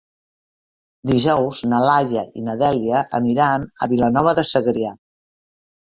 Dijous na Laia i na Dèlia aniran a Vilanova de Segrià.